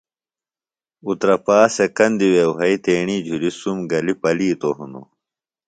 اُترپا سےۡ کندہ وے وھئیۡ تیڻی جُھلیۡ سُم گلیۡ پلِیتوۡ ہنوۡ